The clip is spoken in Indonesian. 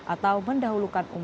atau mendahulukan uang